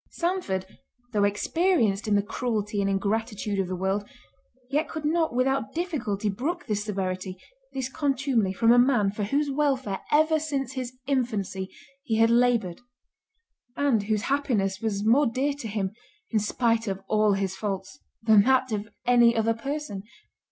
Sandford, though experienced in the cruelty and ingratitude of the world, yet could not without difficulty brook this severity, this contumely, from a man, for whose welfare, ever since his infancy, he had laboured; and whose happiness was more dear to him, in spite of all his faults, than that of any other person.